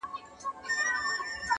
په وینا سو په کټ کټ سو په خندا سو،